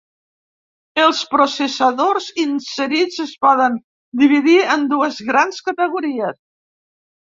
Els processadors inserits es poden dividir en dues grans categories.